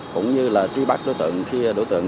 cũng như là truy bắt đối tượng